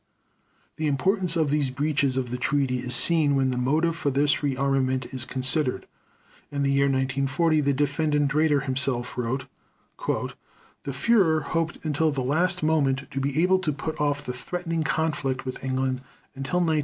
The importance of these breaches of the Treaty is seen when the motive for this rearmament is considered. In the year 1940 the Defendant Raeder himself wrote: "The Führer hoped until the last moment to be able to put off the threatening conflict with England until 1944 45.